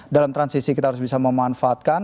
dalam transisi kita harus bisa memanfaatkan